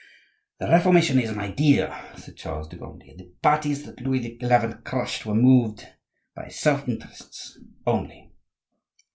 "The Reformation is an idea," said Charles de Gondi; "the parties that Louis XI. crushed were moved by self interests only."